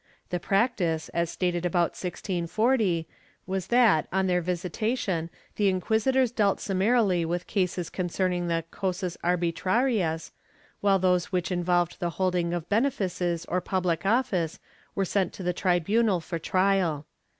The practice, as stated about 1640, was that on their visitation the inquisitors dealt summarily with cases concerning the cosas arbitrarias while those which involved the holding of benefices or public office were sent to the tribunal for trial.